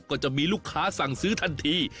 ก็จะมีลูกค้าสั่งซื้อทันที